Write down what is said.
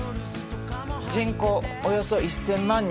人口およそ１，０００万人。